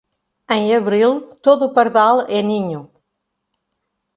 Em abril, todo pardal é ninho.